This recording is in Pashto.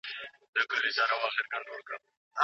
افغان ځوانان د نړیوالو بشري حقونو ملاتړ نه لري.